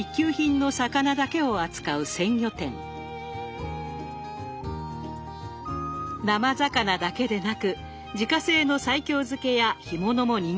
生魚だけでなく自家製の西京漬けや干物も人気です。